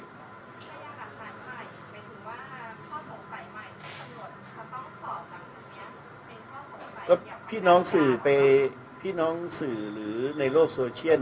ก็พี่น้องสื่อไปพี่น้องสื่อหรือในโลกโซเชียล